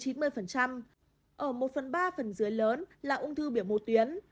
ở một phần ba phần dưới lớn là ung thư biểu mô tuyến